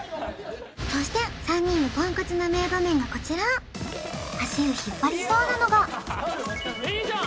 そして３人のポンコツな名場面がこちら足を引っ張りそうなのがいいじゃん！